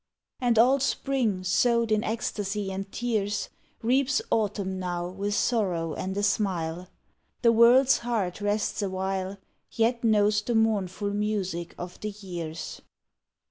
And all spring sowed in ecstasy and tears Reaps autumn now with sorrow and a smile. The world s heart rests awhile, Yet knows the mournful music of the years.